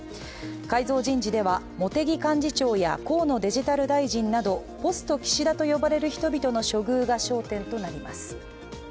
改造人事では茂木幹事長や河野デジタル大臣などポスト岸田と呼ばれる人々の処遇が焦点となります。